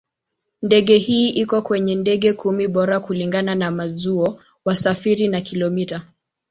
Ndege hii iko kwenye ndege kumi bora kulingana na mauzo, wasafiri na kilomita.